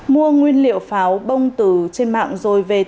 mua nguyên liệu pháo bông từ trên mạng rồi về tự nhiên